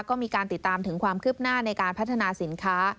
ก็มีการติดตามถึงความคืบหน้าในการพัฒนาสินค้า